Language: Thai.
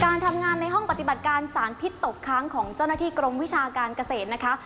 การทำงานในห้องปฏิบัติการสารพิษตกค้างของเจ้าหน้าที่กรมวิชาการเกษตรนะคะ